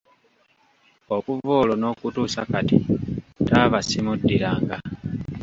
Okuva olwo n'okutuusa kati taaba simuddiranga.